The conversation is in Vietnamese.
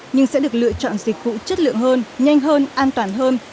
nhưng sẽ được lựa chọn dịch vụ chất lượng hơn nhanh hơn an toàn hơn